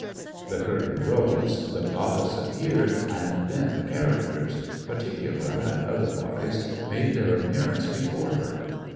The curtain rose, the goddess appeared, and then the characters, particular and otherwise, made their appearance before her.